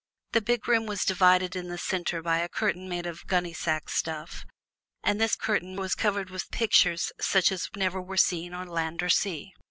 This big room was divided in the center by a curtain made of gunny sack stuff, and this curtain was covered with pictures such as were never seen on land or sea.